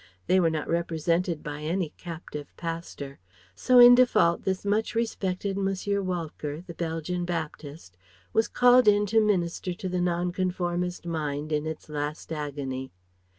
They were not represented by any captive pastor; so in default this much respected Monsieur Walcker, the Belgian Baptist, was called in to minister to the Nonconformist mind in its last agony.